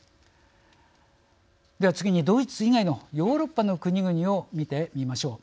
では次にドイツ以外のヨーロッパの国々を見てみましょう。